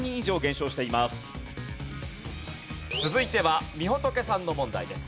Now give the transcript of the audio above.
続いてはみほとけさんの問題です。